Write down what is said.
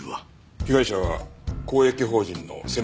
被害者は公益法人の専務理事です。